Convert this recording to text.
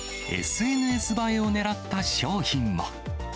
ＳＮＳ映えをねらった商品も。